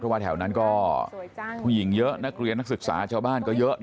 ว่าแถวนั้นก็ผู้หญิงเยอะนักเรียนนักศึกษาชาวบ้านก็เยอะ